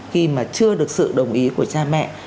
khi mà chưa được sự đồng ý của cha mẹ